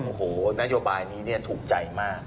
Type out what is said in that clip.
โอ้โหนโยบายนี้ถูกใจมาก